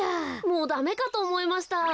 もうダメかとおもいました。